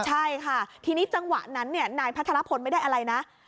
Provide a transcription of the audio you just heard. ใช่ค่ะทีนี้จังหวะนั้นนายพัทรพลไม่ได้อะไรนะ